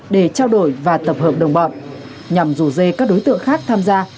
để trao đổi và tập hợp đồng bọn nhằm rủ dê các đối tượng khác tham gia